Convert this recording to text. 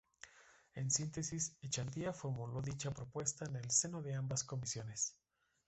En síntesis Echandía formuló dicha propuesta en el seno de ambas Comisiones.